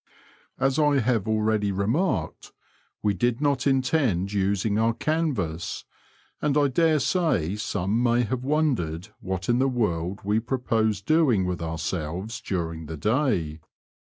As I have already remarked, we did not intend using our canvas, and I daresay some may have wondered what in the world we proposed doing with ourselves during the day.